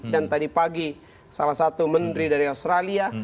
dan tadi pagi salah satu menteri dari australia